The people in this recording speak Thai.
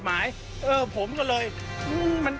ภาษาอังกฤษ